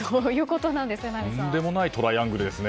とんでもないトライアングルですね。